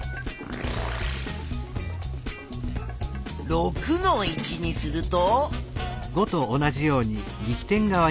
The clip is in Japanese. ６の位置にすると？